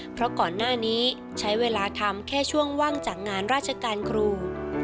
เพราะก่อนหน้านี้ใช้เวลาทำแค่ช่วงว่างจากงานราชการครู